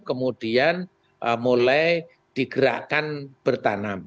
kemudian mulai digerakkan bertanam